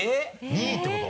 ２位ってこと？